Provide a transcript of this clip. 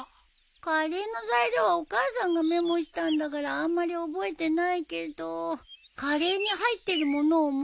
カレーの材料はお母さんがメモしたんだからあんまり覚えてないけどカレーに入ってるものを思い出せばいいんじゃない？